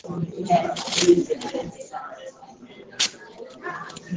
michezo mbalimbali ilianza kuchezwa muda mrefu Kipindi cha wagiriki na waromania